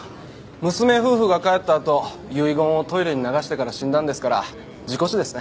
娘夫婦が帰ったあと遺言をトイレに流してから死んだんですから事故死ですね。